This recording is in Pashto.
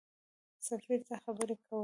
سفیر ته خبرې کولې.